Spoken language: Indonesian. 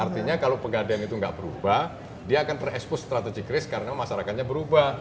artinya kalau pegadean itu nggak berubah dia akan berekspos strategi risk karena masyarakatnya berubah